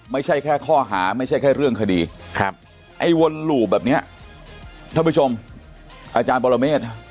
ไม่ใช่แค่ข้อหาไม่ใช่แค่เรื่องคดีครับไอ้วนหลู่แบบเนี้ยท่านผู้ชมอาจารย์ปรเมฆ